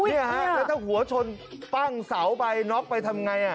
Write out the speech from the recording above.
แล้วถ้าหัวชนปั้งเสาไปน็อคไปทำอย่างไร